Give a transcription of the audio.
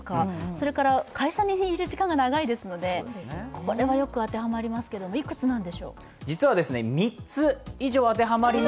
それから会社にいる時間が長いですのでこれはよく当てはまりますけれども、いくつなんでしょう？